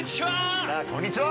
こんにちは！